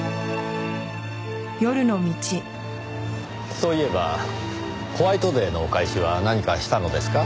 そういえばホワイトデーのお返しは何かしたのですか？